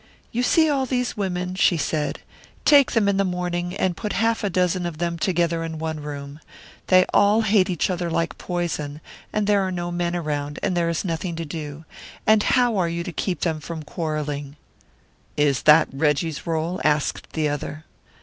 "You see all these women?" she said. "Take them in the morning and put half a dozen of them together in one room; they all hate each other like poison, and there are no men around, and there is nothing to do; and how are you to keep them from quarrelling?" "Is that Reggie's role?" asked the other.